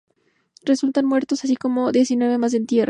Resultaron muertos, así como diecinueve más en tierra.